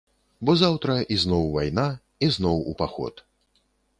Бо заўтра ізноў вайна, ізноў у паход.